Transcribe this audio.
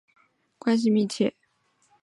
原先与塞尔维亚总统米洛塞维奇关系密切。